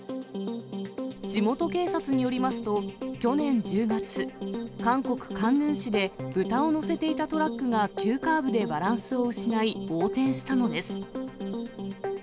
地元警察によりますと、去年１０月、韓国・カンヌン市で、豚を乗せていたトラックが急カーブでバランスを失い横転したのです。